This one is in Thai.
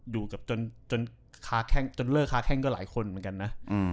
ดูจนเล่าค้าแข้งก็หลายคนเหมือนกันนะ